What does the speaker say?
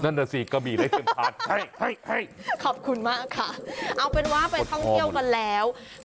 แต่ไม่มีกระเทียมขอบคุณมากค่ะเอาเป็นว่าไปท่องเที่ยวกันแล้ว